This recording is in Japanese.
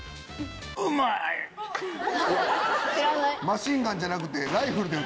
マシンガンじゃなくて。